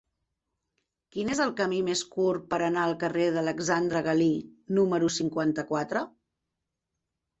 Quin és el camí més curt per anar al carrer d'Alexandre Galí número cinquanta-quatre?